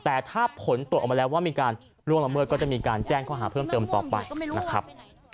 แต่ถ้าผลตรวจออกมาแล้วว่ามีการล่วงละเมิดก็จะมีการแจ้งข้อหาเพิ่มเติมต่อไปนะครับ